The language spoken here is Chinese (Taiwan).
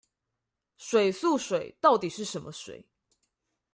水素水到底是什麼水